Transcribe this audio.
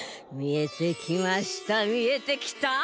みえてきましたみえてきた！